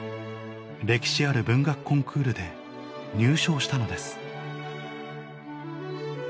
歴史ある文学コンクールで入賞したのです